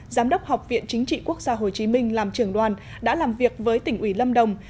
giám đốc học viện chính trị quốc gia hồ chí minh làm trưởng đoàn đã làm việc với tỉnh ủy lâm đồng